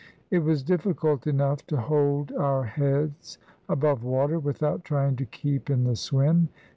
It was difficult enough to hold our heads above water, without trying to keep in the swim.